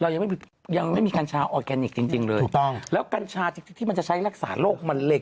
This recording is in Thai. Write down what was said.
ยังไม่มีกัญชาออร์แกนิคจริงเลยแล้วกัญชาจริงที่มันจะใช้รักษาโรคมันเหล็ก